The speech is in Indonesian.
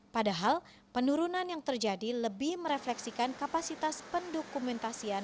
padahal penurunan yang terjadi lebih merefleksikan kapasitas pendokumentasian